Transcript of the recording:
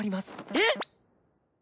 えっ！